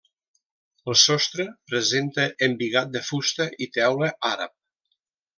El sostre presenta embigat de fusta i teula àrab.